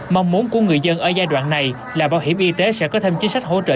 mong muốn của người dân ở giai đoạn này là bảo hiểm y tế sẽ có thêm chính sách hỗ trợ